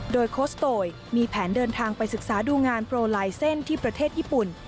โดยโค้ชโตยมีแผนเดินทางไปศึกษาดูงานโปรลายเส้นที่ประเทศญี่ปุ่น